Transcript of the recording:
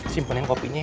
simpenin kopinya ya